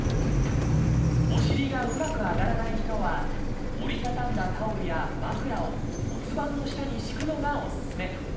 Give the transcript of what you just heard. お尻がうまく上がらない人は折り畳んだタオルや枕を骨盤の下に敷くのがおすすめ。